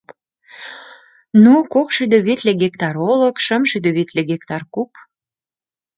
Ну, кок шӱдӧ витле гектар олык, шым шӱдӧ витле гектар куп.